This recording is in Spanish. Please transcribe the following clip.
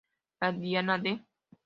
La diana de...